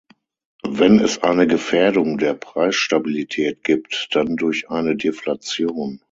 Wenn es eine Gefährdung der Preisstabilität gibt, dann durch eine Deflation.